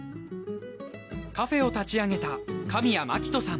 カフェを立ち上げた神谷牧人さん。